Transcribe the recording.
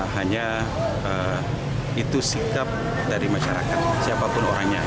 hanya itu sikap dari masyarakat siapapun orangnya